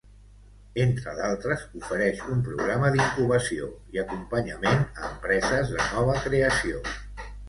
Entre d'altres, ofereix un programa d'incubació i acompanyament a empreses de nova creació.